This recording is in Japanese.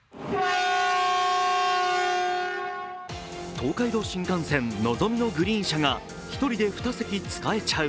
東海道新幹線・のぞみのグリーン車が１人で２席使えちゃう。